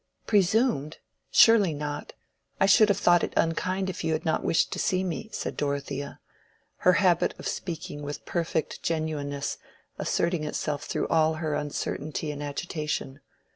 "Presumed? Surely not. I should have thought it unkind if you had not wished to see me," said Dorothea, her habit of speaking with perfect genuineness asserting itself through all her uncertainty and agitation.